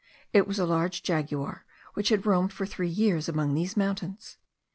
It was a large jaguar, which had roamed for three years among these mountains.